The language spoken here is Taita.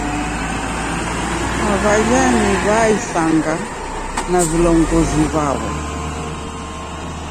Aw'ajha ni w'aisanga na vilongozi vaw'o